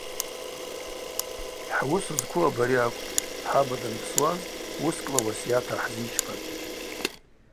Хӏуыс зкву абари акӏвпӏ: хӏаба данпсуаз уыскӏла уасйат гӏахӏзичпатӏ.